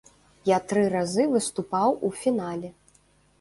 Я тры разы выступаў у фінале.